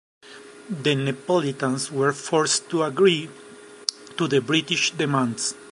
The Neapolitans were forced to agree to the British demands.